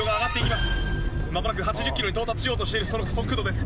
まもなく８０ｋｍに到達しようとしているその速度です。